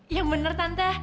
ya bener tante